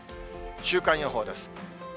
週間予報です。